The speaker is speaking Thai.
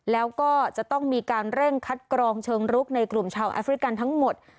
แล้วก็จะต้องมีการเร่งคัดกรองเชิงรุกในกลุ่มชาวแอฟริกันทั้งหมด